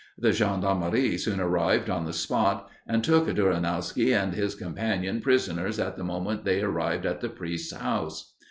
The gendarmerie soon arrived on the spot, and took Duranowski and his companion prisoners at the moment they arrived at the priest's house.